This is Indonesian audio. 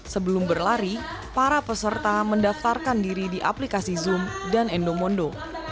sebelum berlari para peserta mendaftarkan diri di aplikasi zoom dan endomondo